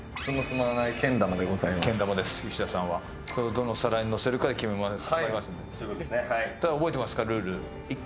どの皿にのせるかで決めます。